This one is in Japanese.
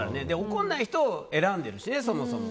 怒らない人を選んでるしね。